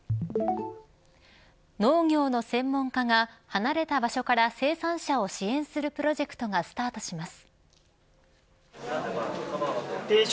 農業の専門家が離れた場所から生産者を支援するプロジェクトがスタートします。